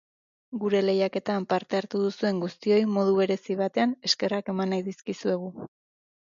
Gure lehiaketan parte hartu duzuen guztioi modu berezi batean eskerrak eman nahi dizkizuegu.